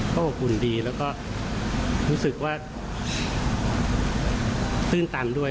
ก็อบอุ่นดีแล้วก็รู้สึกว่าตื้นตันด้วย